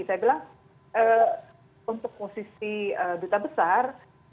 saya bilang untuk posisi duta besar